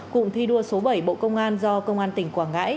cụm thi đua số bảy bộ công an do công an tỉnh quảng ngãi